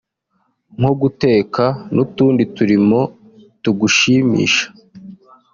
nko guteka n’utundi turimo tugushimisha